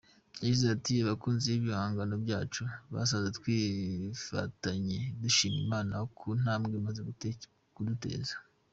Yagize ati “Abakunzi b’ibihangano byacu bazaze twifatanye gushima Imana ku ntambwe imaze kuduteza.